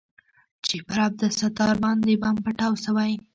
چې پر عبدالستار باندې بم پټاو سوى.